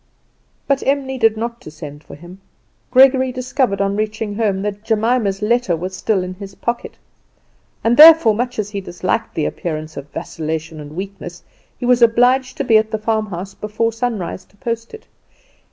But Em needed not to send for him. Gregory discovered on reaching home that Jemima's letter was still in his pocket. And, therefore, much as he disliked the appearance of vacillation and weakness, he was obliged to be at the farmhouse before sunrise to post it.